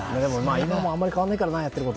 今もあまり変わらないからなやっていること。